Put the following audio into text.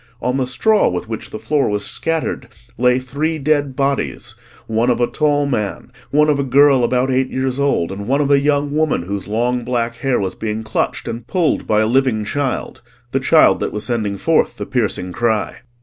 On the straw, with which the floor was scattered, lay three dead bodies, one of a tall man, one of a girl about eight years old, and one of a young woman whose long black hair was being clutched and pulled by a living child—the child that was sending forth the piercing cry.